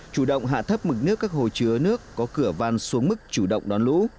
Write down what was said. chủ động hạ thấp mực nước các hồ chứa nước có cửa van xuống mức chủ động đón lũ